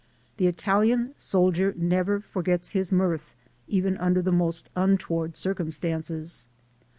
The Italian soldier never forgets his mirth even under the most untoward circumstances.